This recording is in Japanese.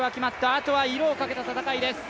あとは色をかけた戦いです